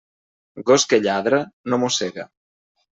Gos que lladra, no mossega.